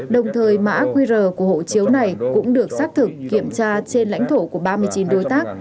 đồng thời mã qr của hộ chiếu này cũng được xác thực kiểm tra trên lãnh thổ của ba mươi chín đối tác